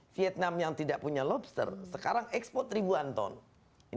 vietnam yang tidak punya lobster sekarang ekspor ribuan ton